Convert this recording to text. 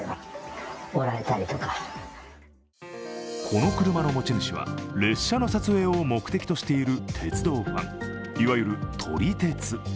この車の持ち主は列車の撮影を目的としている鉄道ファンいわゆる、撮り鉄。